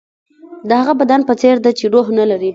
د هغه بدن په څېر ده چې روح نه لري.